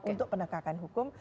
untuk penegakan hukum